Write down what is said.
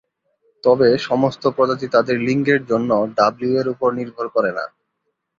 তবে, সমস্ত প্রজাতি তাদের লিঙ্গের জন্য ডাব্লিউ এর উপর নির্ভর করে না।